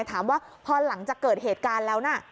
ถามว่าพอหลังจากเกิดเหตุการณ์แล้วนะ